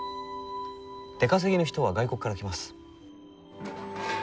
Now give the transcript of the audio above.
出稼ぎの人は外国から来ます。